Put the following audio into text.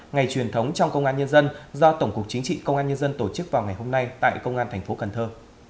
ngày truyền thống trong công an nhân dân do tổng cục chính trị công an nhân dân tổ chức vào ngày hôm nay tại công an thành phố cần thơ